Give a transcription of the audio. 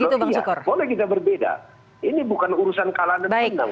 loh iya boleh kita berbeda ini bukan urusan kalah dan menang